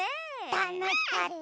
たのしかった。